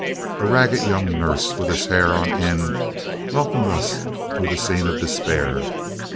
A ragged young nurse, with his hair on end, welcomed us to the scene of despair.